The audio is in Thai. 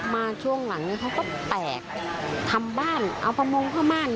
มาช่วงหลังนี้เขาก็แตกทำบ้านเอาประมงผ้าม่าน